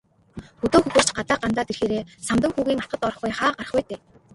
Хөдөө хөхөрч, гадаа гандаад ирэхээрээ Самдан хүүгийн атгад орохгүй хаа гарах вэ дээ.